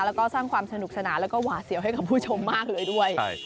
แล้วก็สร้างความสนุกสนานแล้วก็หวาดเสียวให้กับผู้ชมมากเลยด้วย